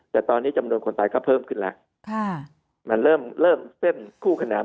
แต่ตอนนี้จำนวนคนตายก็เพิ่มขึ้นแล้วค่ะมันเริ่มเริ่มเส้นคู่ขนาด